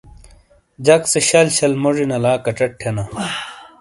جَک سے شَل شَل موجی نَلا کچٹ تھینا۔